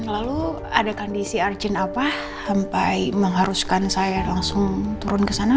lalu ada kondisi argin apa sampai mengharuskan saya langsung turun ke sana